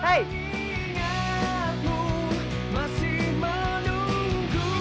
hei kau dari mana